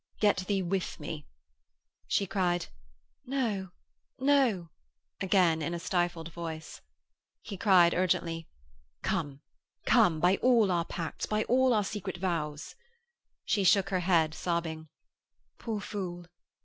'Get thee with me.' She said, 'No, no,' again in a stifled voice. He cried urgently: 'Come! Come! By all our pacts. By all our secret vows.' She shook her head, sobbing: 'Poor fool.